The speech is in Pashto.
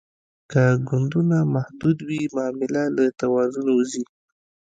که ګوندونه محدود وي معامله له توازن وځي